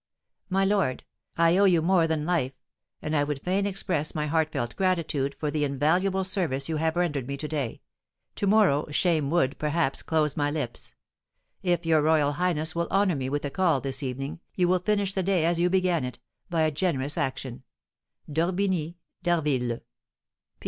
"MY LORD: "I owe you more than life; and I would fain express my heartfelt gratitude for the invaluable service you have rendered me to day. To morrow shame would, perhaps, close my lips. If your royal highness will honour me with a call this evening, you will finish the day as you began it by a generous action. "D'ORBIGNY D'HARVILLE.